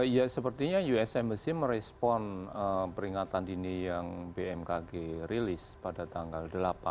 ya sepertinya us embassy merespon peringatan dini yang bmkg rilis pada tanggal delapan